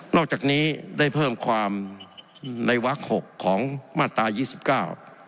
อกจากนี้ได้เพิ่มความในวักหกของมาตรายี่สิบเก้า